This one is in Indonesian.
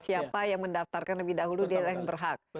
siapa yang mendaftarkan lebih dahulu dia yang berhak